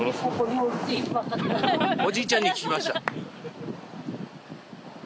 おじいちゃんに聞きました。